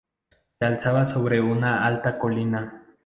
Se alzaba sobre una alta colina.